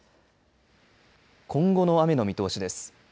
今後の雨の見通しです。